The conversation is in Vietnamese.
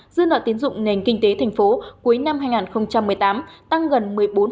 dư nợ tiến dụng nền kinh tế thành phố cuối năm hai nghìn một mươi tám tăng gần một mươi bốn